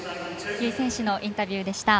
由井選手のインタビューでした。